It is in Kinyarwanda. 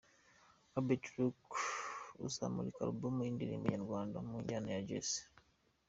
Habert Rock uzamurika Albumu y'indirimbo nyarwanda mu njyana ya Jazz.